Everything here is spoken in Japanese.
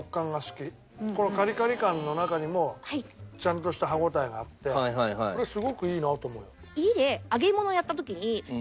このカリカリ感の中にもちゃんとした歯応えがあってこれすごくいいなと思うよ。